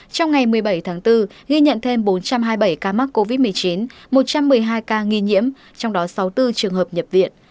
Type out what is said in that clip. trong ngày một mươi bảy tháng bốn ghi nhận thêm bốn trăm hai mươi bảy ca mắc covid một mươi chín một trăm một mươi hai ca nghi nhiễm trong đó sáu mươi bốn trường hợp nhập viện